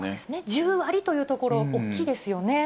１０割というところ、大きいですよね。